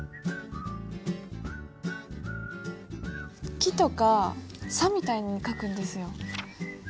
「き」とか「さ」みたいに書くんですよ。